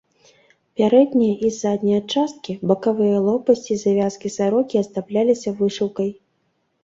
Пярэдняя і задняя часткі, бакавыя лопасці і завязкі сарокі аздабляліся вышыўкай.